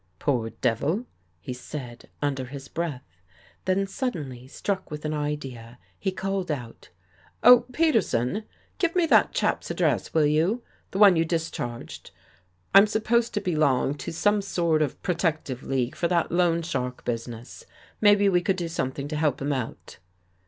" Poor devil," he said, under his breath. Then suddenly struck with an idea, he called out. " Oh, Peterson. Give me that chap's address, will you — the one you discharged. I'm supposed to belong to 21 THE GHOST GIRL some sort of protective league for that Loan Shark business. Maybe we could do something to help him out."